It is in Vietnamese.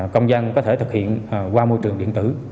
công dân có thể thực hiện qua môi trường điện tử